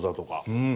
うん。